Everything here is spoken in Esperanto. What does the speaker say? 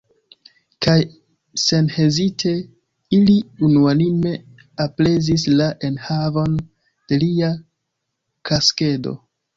Kaj senhezite, ili unuanime aprezis la enhavon de lia kaskedo.